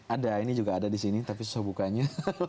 ada ini juga ada di sini tapi susah bukanya